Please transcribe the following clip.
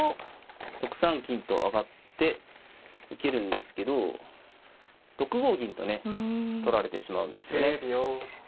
６三金と上がって受けるんですけど６五銀とね取られてしまうんですよね。